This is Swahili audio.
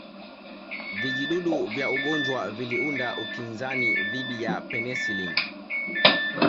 Vijidudu vya ugonjwa viliunda ukinzani dhidi ya penicillin